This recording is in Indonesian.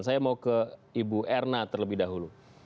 saya mau ke ibu erna terlebih dahulu